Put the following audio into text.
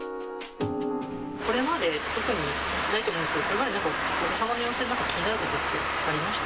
これまで特にないと思うんですけど、これまで何かお子様の様子で気になることってありました